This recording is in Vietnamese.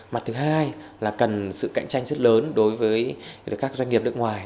mặt thứ hai là cần sự cạnh tranh rất lớn đối với các doanh nghiệp nước ngoài